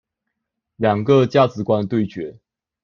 兩個價值觀的對決